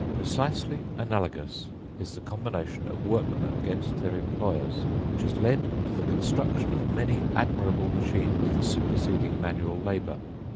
Precisely analogous is the combination of workmen against their employers, which has led to the construction of many admirable machines for superseding manual labour.